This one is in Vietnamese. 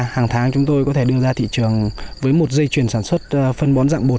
hàng tháng chúng tôi có thể đưa ra thị trường với một dây chuyển sản xuất phân bón dạng bột